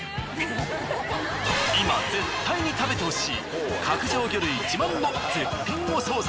今絶対に食べてほしい角上魚類自慢の絶品お惣菜。